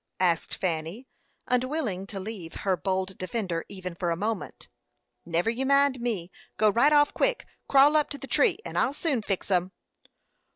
asked Fanny, unwilling to leave her bold defender even for a moment. "Never you mind me; go right off quick. Crawl up to the tree, and I'll soon fix 'em."